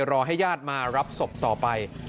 รอให้ญาติมารับศพต่อไป